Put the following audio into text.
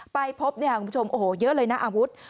ไปพบเนี่ยคุณผู้ชมโอ้โหเยอะเลยนะอาวุธ